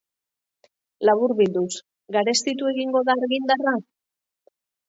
Laburbilduz, garestitu egingo da argindarra?